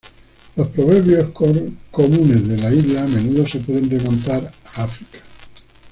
Los proverbios comunes de las islas a menudo se pueden remontar a África.